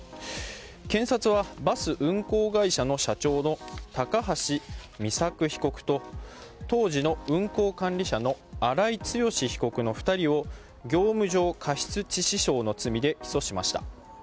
検察はバス運行会社の社長の高橋美作被告と当時の運行管理者の荒井強被告の２人を業務上過失致死傷の罪で起訴しました。